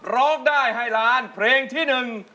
ร้องได้ให้ล้านเพลงที่หนึ่ง